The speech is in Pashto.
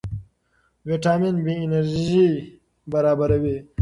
ویټامین بي انرژي برابروي.